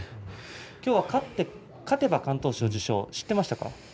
きょう勝てば敢闘賞受賞知っていましたか。